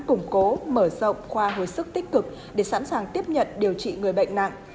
củng cố mở rộng khoa hồi sức tích cực để sẵn sàng tiếp nhận điều trị người bệnh nặng